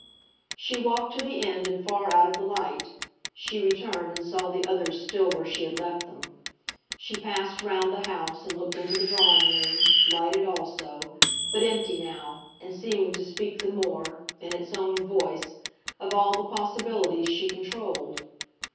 She walked to the end and far out of the light; she returned and saw the others still where she had left them; she passed round the house and looked into the drawing room, lighted also, but empty now, and seeming to speak the more, in its own voice, of all the possibilities she controlled.